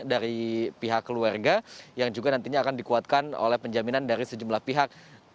dari pihak keluarga yang juga nantinya akan dikuatkan oleh penjaminan dari sejumlah pihak